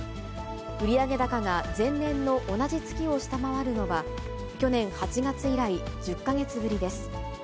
売上高が前年の同じ月を下回るのは、去年８月以来１０か月ぶりです。